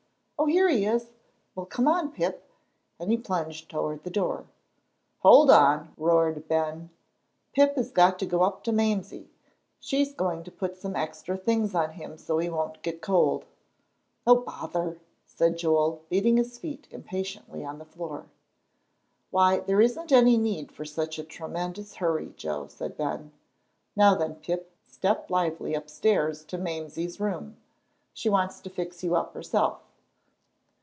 "Oh, here he is! Well, come on, Pip," and he plunged toward the door. "Hold on!" roared Ben. "Pip has got to go up to Mamsie; she's going to put some extra things on him so he won't get cold." "Oh, bother!" said Joel, beating his feet impatiently on the floor. "Why, there isn't any need for such a tremendous hurry, Joe," said Ben. "Now then, Pip, step lively upstairs to Mamsie's room; she wants to fix you up herself."